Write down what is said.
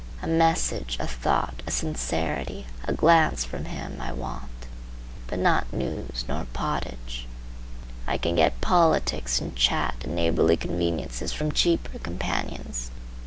A message, a thought, a sincerity, a glance from him, I want, but not news, nor pottage. I can get politics and chat and neighborly conveniences from cheaper companions.